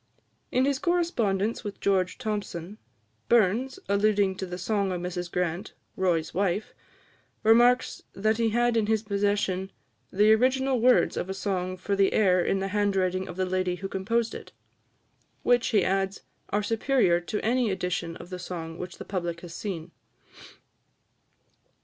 In his correspondence with George Thomson, Burns, alluding to the song of Mrs Grant, "Roy's Wife," remarks that he had in his possession "the original words of a song for the air in the handwriting of the lady who composed it," which, he adds, "are superior to any edition of the song which the public has seen."